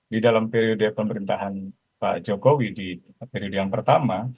di dalam periode pemerintahan pak jokowi di periode yang pertama